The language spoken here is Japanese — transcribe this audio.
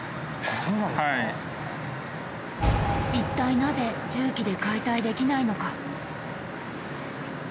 一体なぜ重機で解体できないのか？